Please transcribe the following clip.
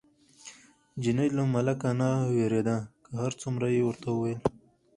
چیني له ملکه نه وېرېده، که هر څومره یې ورته وویل.